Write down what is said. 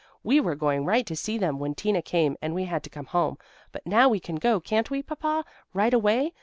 We were going right to see them when Tina came and we had to come home. But now we can go, can't we, Papa, right away?